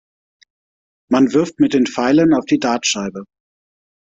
Man wirft mit den Pfeilen auf die Dartscheibe.